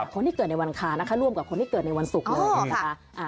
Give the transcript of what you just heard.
คนที่เกิดในวันอังคารนะคะร่วมกับคนที่เกิดในวันศุกร์เลยนะคะ